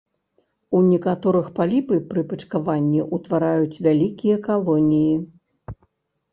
У некаторых паліпы пры пачкаванні ўтвараюць вялікія калоніі.